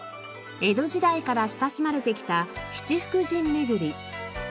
江戸時代から親しまれてきた七福神巡り。